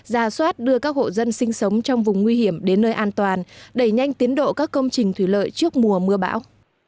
ra soát đưa các hộ dân sinh sống trong vùng nguy hiểm đến nơi an toàn đẩy nhanh tiến độ các công trình thủy lợi trước mùa mưa bão